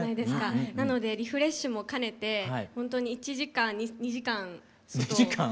なのでリフレッシュも兼ねてほんとに１時間２時間外を。